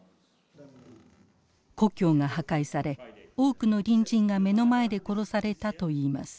故郷が破壊され多くの隣人が目の前で殺されたといいます。